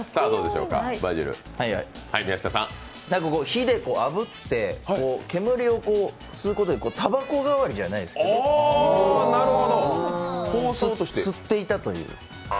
火であぶって、たばこ代わりじゃないですけど、吸っていたという。